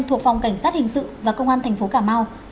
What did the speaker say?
thuộc phòng cảnh sát hình sự và công an thành phố cà mau